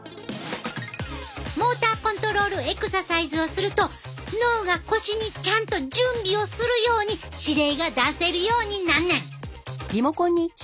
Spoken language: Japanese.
モーターコントロールエクササイズをすると脳が腰にちゃんと準備をするように指令が出せるようになんねん！